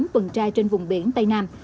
tuần trai trên vùng biển tây nam